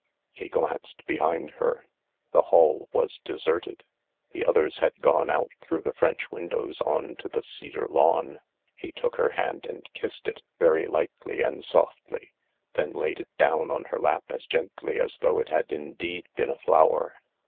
He glanced behind her. The hall was deserted. The others had gone out through the French windows on to the cedar lawn. He took her hand and kissed it, very lightly and softly, then laid it down on her lap as gently as though it had indeed been a flower.